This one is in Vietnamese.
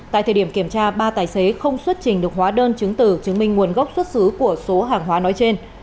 tại thời điểm kiểm tra ba tài xế không xuất trình được hóa đơn chứng từ chứng minh nguồn gốc xuất xứ của số hàng hóa nói trên